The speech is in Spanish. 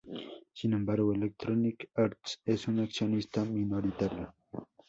Sin embargo, Electronic Arts es un accionista minoritario.